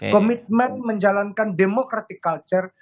komitmen menjalankan democratic culture